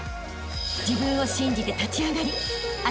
［自分を信じて立ち上がりあしたへ